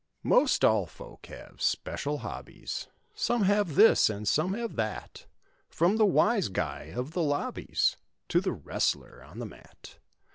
Most all folk have special hobbies. Some have this and some have that; From the wise guy of the lobbies To the wrestler on the mat.